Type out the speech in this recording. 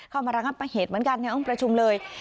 มาระงับประเหตุเหมือนกันในห้องประชุมเลย